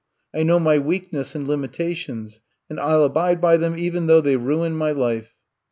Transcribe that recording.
I know my weakness and limitations and I '11 abide by them even though they ruin my life.